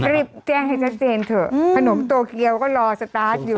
รีบแจ้งให้ชัดเจนเถอะขนมโตเกียวก็รอสตาร์ทอยู่